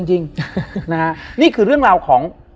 เพื่อที่จะให้แก้วเนี่ยหลอกลวงเค